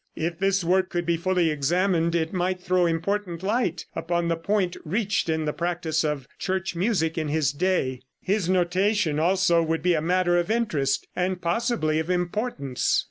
If this work could be fully examined it might throw important light upon the point reached in the practice of church music in his day; his notation, also, would be a matter of interest and possibly of importance.